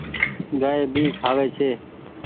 گآئي ڀي کآوي ڇي۔